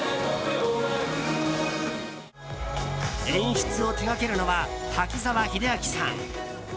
演出を手掛けるのは滝沢秀明さん。